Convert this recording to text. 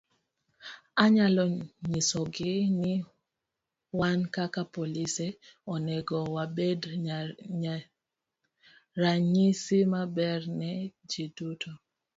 Anyalo nyisogi ni wan kaka polise onego wabed ranyisi maber ne ji duto.